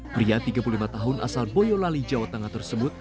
pria tiga puluh lima tahun asal boyolali jawa tengah tersebut